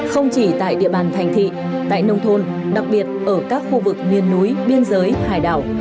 không chỉ tại địa bàn thành thị tại nông thôn đặc biệt ở các khu vực miền núi biên giới hải đảo